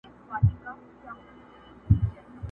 تل دي ښاد وي پر دنیا چي دي دوستان وي!.